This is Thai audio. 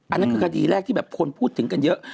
อันนั้นคือคดีแรกที่แบบคนพูดถึงกันเยอะ